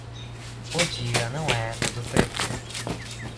O dia não é todo preto